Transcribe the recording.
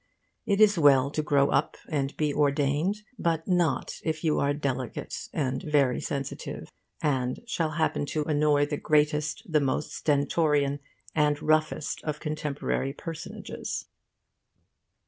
It is well to grow up and be ordained, but not if you are delicate and very sensitive, and shall happen to annoy the greatest, the most stentorian and roughest of contemporary personages.